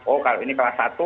oh kalau ini kelas satu